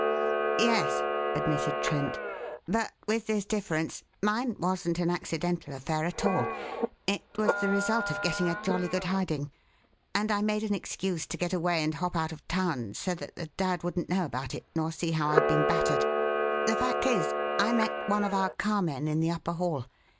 "Yes," admitted Trent. "But with this difference: mine wasn't an accidental affair at all it was the result of getting a jolly good hiding; and I made an excuse to get away and hop out of town, so that the dad wouldn't know about it nor see how I'd been battered. The fact is, I met one of our carmen in the upper hall.